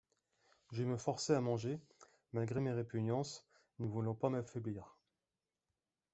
Je me forçai à manger, malgré mes répugnances, ne voulant pas m’affaiblir.